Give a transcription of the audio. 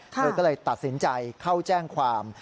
เธอก็เลยตัดสินใจเข้าแจ้งความ